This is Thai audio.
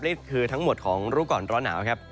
นี่คือทั้งหมดของรู้ก่อนร้อนหนาวครับ